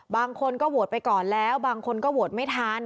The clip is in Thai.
บางคนก็โหวตไปก่อนแล้วบางคนก็โหวตไม่ทัน